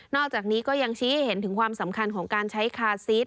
อกจากนี้ก็ยังชี้ให้เห็นถึงความสำคัญของการใช้คาซีส